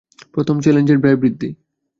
প্রথম চ্যালেঞ্জ এর ব্যয় বৃদ্ধি।